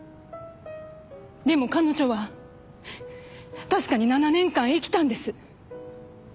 でも彼女は確かに７年間生きたんです。